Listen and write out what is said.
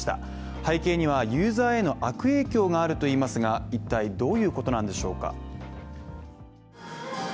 背景にはユーザーへの悪影響があるといいますが、いったいどういうことなんでしょうか？